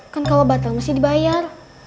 kan kalau batal mesti dibayar